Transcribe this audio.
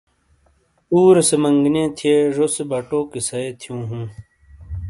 پورے سے منگنئیے تھے ژوسے بَٹو کیسائے تھیوں ہوں